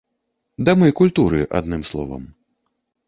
Дамы культуры, адным словам.